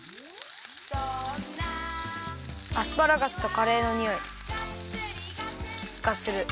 アスパラガスとカレーのにおいがする。